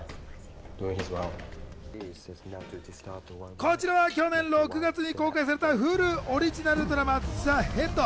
こちらは去年６月に公開されたＨｕｌｕオリジナルドラマ『ＴＨＥＨＥＡＤ』。